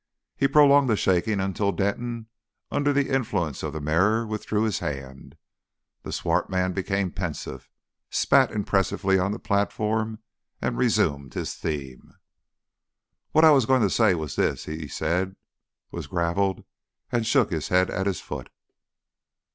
He prolonged the shaking until Denton, under the influence of the mirror, withdrew his hand. The swart man became pensive, spat impressively on the platform, and resumed his theme. "Whad I was going to say was this," he said; was gravelled, and shook his head at his foot.